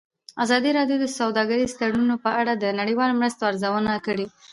ازادي راډیو د سوداګریز تړونونه په اړه د نړیوالو مرستو ارزونه کړې.